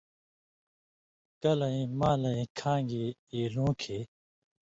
کلَیں مالَیں کھانگیۡ ایلُوں کھیں